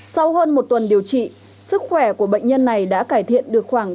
sau hơn một tuần điều trị sức khỏe của bệnh nhân này đã cải thiện được khoảng tám mươi